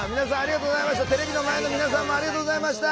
テレビの前の皆さんもありがとうございました。